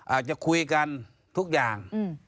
อาจจะคุยกันทุกอย่าง